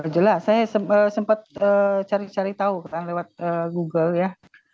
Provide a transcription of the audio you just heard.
jelas saya sempat cari cari tahu lewat google ya